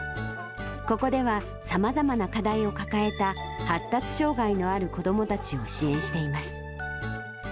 ここではさまざまな課題を抱えた発達障がいのある子どもたちを支援しています。